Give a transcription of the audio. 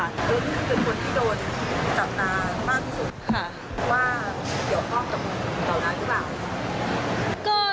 เอิ้นคือคนที่โดนจับตามากที่สุดค่ะว่าเดี๋ยวก็จับต่อการหรือเปล่า